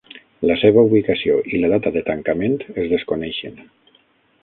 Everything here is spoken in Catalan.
La seva ubicació i la data de tancament es desconeixen.